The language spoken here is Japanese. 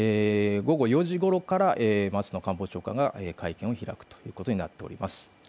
午後４時ごろから松野官房長官が会見を開くことになっています。